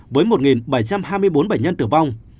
với một bảy trăm hai mươi bốn bệnh nhân tử vong